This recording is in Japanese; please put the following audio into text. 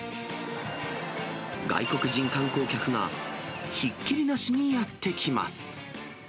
外国人観光客がひっきりなしにやって来ます。